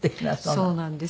そうなんですよ。